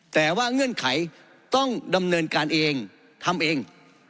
แต่ว่าเงื่อนไขต้องดำเนินการเองทำเอง